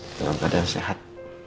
dengan keadaan sehat